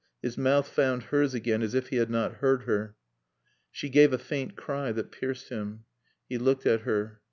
His mouth found hers again as if he had not heard her. She gave a faint cry that pierced him. He looked at her.